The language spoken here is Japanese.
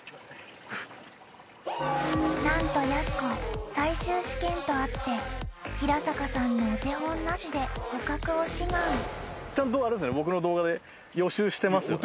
何とやす子最終試験とあって平坂さんのお手本なしで捕獲を志願ちゃんとあれですよね？